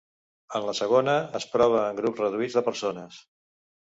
En la segona, es prova en grups reduïts de persones.